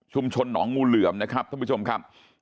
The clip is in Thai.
หนองงูเหลือมนะครับท่านผู้ชมครับ